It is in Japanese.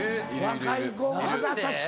若い子腹立つ。